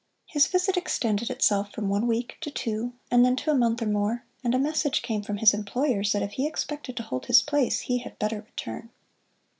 His visit extended itself from one week to two, and then to a month or more, and a message came from his employers that if he expected to hold his place he had better return.